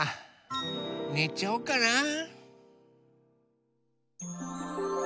ねちゃおうかな。